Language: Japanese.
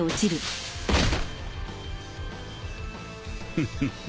フフフフ。